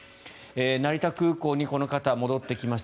成田空港にこの方は戻ってきました。